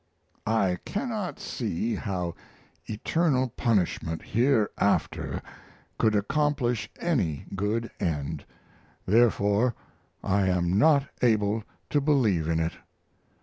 I cannot see how eternal punishment hereafter could accomplish any good end, therefore I am not able to believe in it.